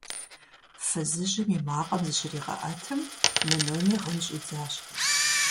Фызыжьым и макъым зыщригъэӀэтым, нынуми гъын щӀидзащ.